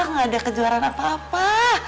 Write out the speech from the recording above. gak ada kejuaraan apa apa